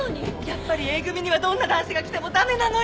やっぱりＡ組にはどんな男子が来ても駄目なのよ！